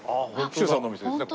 周さんのお店ですね